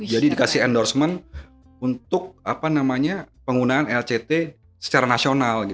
dikasih endorsement untuk penggunaan lct secara nasional